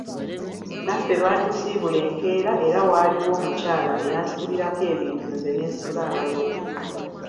Naffe baatusiibula enkeera era waaliwo omukyala eyansitulirako ebintu nze ne nsitula abalongo.